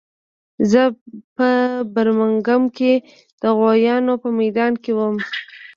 زه په برمنګهم کې د غویانو په میدان کې وم